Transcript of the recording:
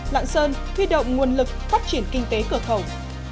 lạng sơn huy động nguồn lực phát triển kinh tế cửa khẩu